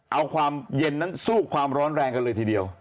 เอาความเย็นนั้นสู้ความร้อนแรงกันเลยทีเดียว